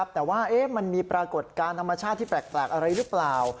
แต่ว่ามันมีปรากฏการณ์ธรรมชาติที่แปลกอะไรหรือเปล่า